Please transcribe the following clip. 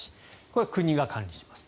これは国が管理します。